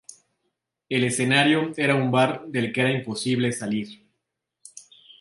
El escenario era un bar del que era imposible salir.